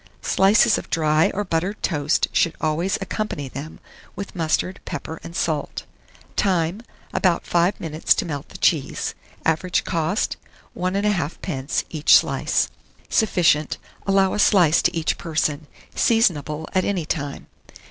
Slices of dry or buttered toast should always accompany them, with mustard, pepper, and salt. Time. About 5 minutes to melt the cheese. Average cost, 1 1/2d. each slice. Sufficient. Allow a slice to each person. Seasonable at any time.